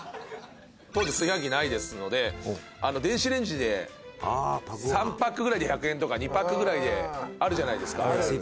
当時炊飯器ないですので電子レンジで３パックぐらいで１００円とか２パックぐらいであるじゃないですか。